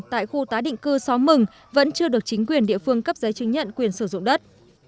tại khu tái định cư xóm mừng vẫn chưa được chính quyền địa phương cấp giấy chứng nhận quyền sử dụng đất